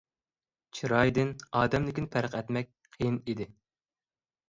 چىرايدىن ئادەملىكىنى پەرق ئەتمەك قىيىن ئىدى.